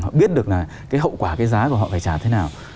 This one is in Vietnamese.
họ biết được là cái hậu quả cái giá của họ phải trả thế nào